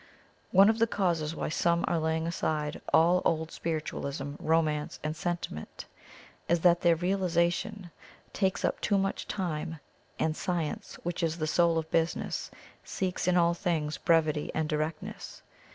One of the causes why some are laying aside all old spiritualism, romance and sentiment, is that their realisation takes up too much time, and Science, which is the soul of business, seeks in all things brevity and directness.